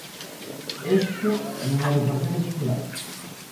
Este non é do Partido Popular.